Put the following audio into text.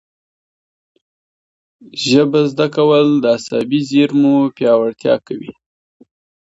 ژبه زده کول د عصبي زېرمو پیاوړتیا کوي.